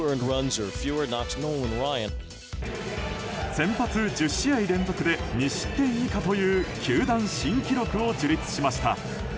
先発１０試合連続で２失点以下という球団新記録を樹立しました。